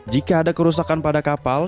jika ada kerusakan pada kapal